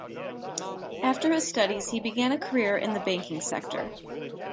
After his studies he began a career in the banking sector.